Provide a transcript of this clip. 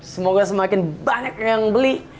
semoga semakin banyak yang beli